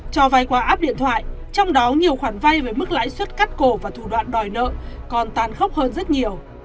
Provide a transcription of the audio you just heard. cho vay qua app điện thoại trong đó nhiều khoản vay với mức lãi suất cắt cổ và thủ đoạn đòi nợ còn tàn khốc hơn rất nhiều